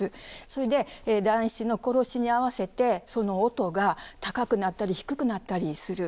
それで団七の殺しに合わせてその音が高くなったり低くなったりする。